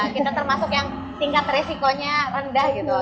kita termasuk yang tingkat resikonya rendah gitu